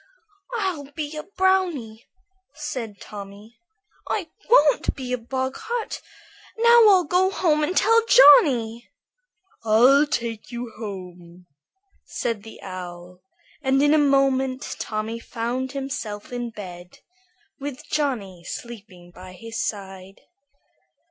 "I'll be a brownie," said Tommy. "I won't be a boggart. Now I'll go home and tell Johnny." "I'll take you home," said the Owl, and in a moment Tommy found himself in bed, with Johnny sleeping by his side.